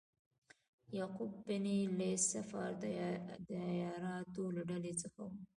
یعقوب بن لیث صفار د عیارانو له ډلې څخه و.